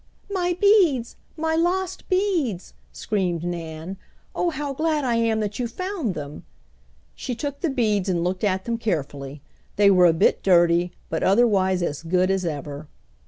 "My beads! My lost beads!" screamed Nan. "Oh, how glad I am that you found them!" She took the beads and looked at them carefully. They were a bit dirty, but otherwise as good as ever.